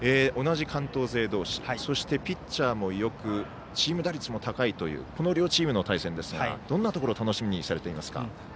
同じ関東勢同士そしてピッチャーもよくチーム打率も高いというこの両チームの対戦ですがどんなところを楽しみにされていますか。